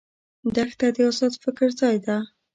دښته د آزاد فکر ځای ده.